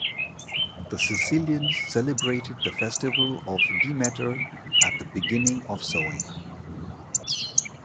The Sicilians celebrated the festival of Demeter at the beginning of sowing.